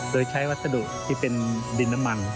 โดยใช้วัสดุที่เป็นดินน้ำมัน